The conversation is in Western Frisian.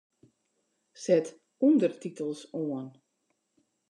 Set ûndertitels oan.